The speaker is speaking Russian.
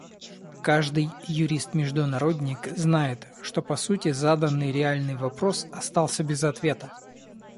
Каждый юрист-международник знает, что, по сути, заданный реальный вопрос остался без ответа.